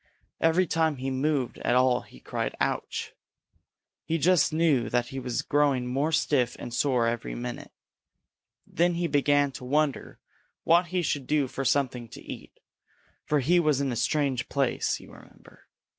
Every time he moved at all he cried "Ouch!" He just knew that he was growing more stiff and sore every minute. Then he began to wonder what he should do for something to eat, for he was in a strange place, you remember.